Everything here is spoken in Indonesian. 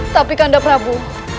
tapi kanda prabu